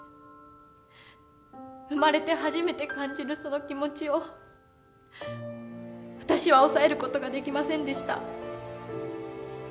生まれて初めて感じるその気持ちを私は抑える事ができませんでした。